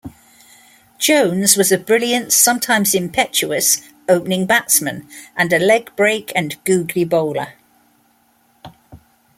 Jones was a brilliant, sometimes impetuous, opening batsman and a leg-break and googly bowler.